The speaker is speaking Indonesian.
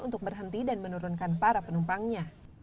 untuk berhenti dan menurunkan para penumpangnya